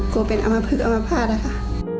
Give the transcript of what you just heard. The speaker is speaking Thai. กลัวเป็นอมภึกอมภาพล่ะค่ะ